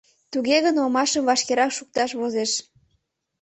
— Туге гын омашым вашкерак шукташ возеш...